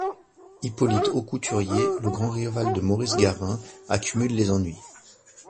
Hippolyte Aucouturier, le grand rival de Maurice Garin, accumule les ennuis.